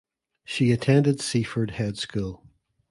She attended Seaford Head School.